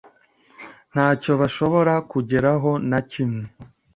ntacyo bashobora kugeraho nakimwe